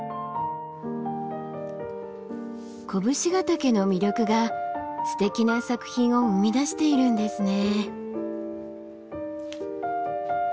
甲武信ヶ岳の魅力がすてきな作品を生み出しているんですね。